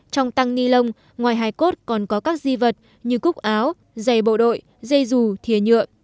trong tăng ni lông ngoài hài cốt còn có các di vật như cúc áo dày bộ đội dây dù thia nhựa